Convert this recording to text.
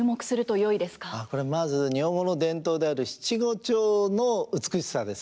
これまず日本語の伝統である七五調の美しさですね。